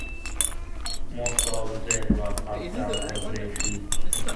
Most of them were cut down as they fled.